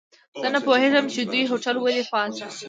زه نه پوهیږم چي دوی هوټل ولي فعال ساتلی.